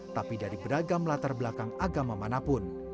tapi dari beragam latar belakang agama manapun